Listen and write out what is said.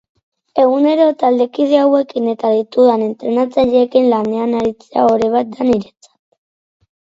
Egunero taldekide hauekin eta ditudan entrenatzaileekin lanean aritzea ohore bat da niretzat.